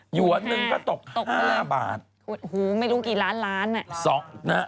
หยวนนึงก็ตก๕บาทไม่รู้กี่ล้านล้าน